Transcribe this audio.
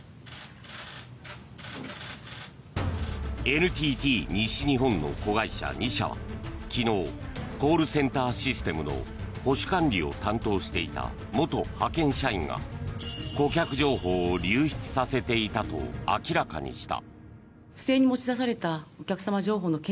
ＮＴＴ西日本の子会社２社は昨日、コールセンターシステムの保守管理を担当していた元派遣社員が顧客情報を流出させていたと明らかにした。